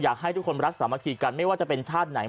อยากให้ทุกคนรักสามัคคีกันไม่ว่าจะเป็นชาติไหน